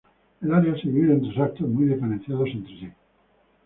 El Área se divide en tres actos muy diferenciados entre sí.